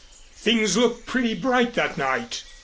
Things looked pretty bright that night.